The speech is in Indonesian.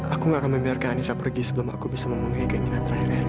aku gak akan membiarkan anissa pergi sebelum aku bisa memenuhi keinginan terakhirnya